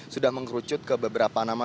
sudah mengerucut ke beberapa nama